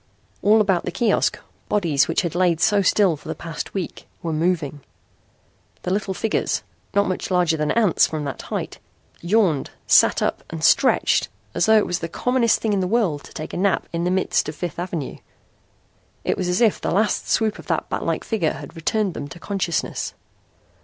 All about the kiosk bodies which had laid so still for the past week were moving. The little figures, not much larger than ants from that height, yawned, sat up and stretched as though it was the commonest thing in the world to take a nap in the midst of Fifth Avenue. It was as if the last swoop of that batlike figure had returned them to consciousness.